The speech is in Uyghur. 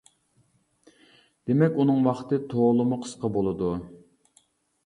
دېمەك، ئۇنىڭ ۋاقتى تولىمۇ قىسقا بولىدۇ.